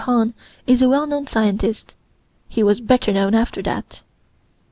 Hahn was a well known scientist. He was better known after that.